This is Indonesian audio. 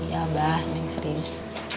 iya abah neng serius